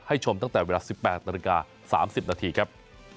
ชมตั้งแต่เวลา๑๘นาฬิกา๓๐นาทีครับ